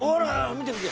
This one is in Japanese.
見て見て！